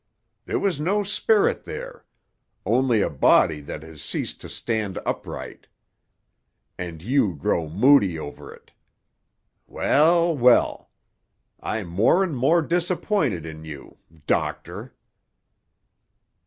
There was no spirit there; only a body that has ceased to stand upright. And you grow moody over it! Well, well! I'm more and more disappointed in you—doctor."